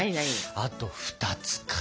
あと２つか。